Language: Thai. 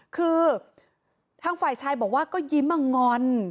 คือทางฝ่ายชายบอกว่าก็ยิ้มงอน